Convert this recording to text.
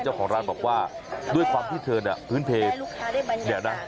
เจ้าของร้านบอกว่าด้วยความที่เธอพื้นเพลง